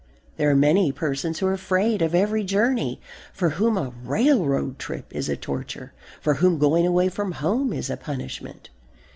There are many persons who are afraid of every journey, for whom a railroad trip is a torture, for whom going away from home is a punishment.